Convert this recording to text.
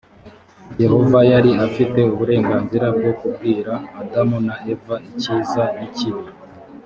yehova yari afite uburenganzira bwo kubwira adamu na eva icyiza n ikibi